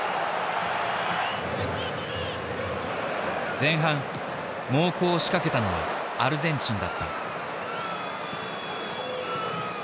前半猛攻を仕掛けたのはアルゼンチンだった。